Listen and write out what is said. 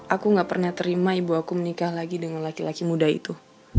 aku gak pernah terima ibu aku menikah lagi dengan laki laki muda itu